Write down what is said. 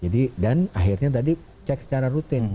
dan akhirnya tadi cek secara rutin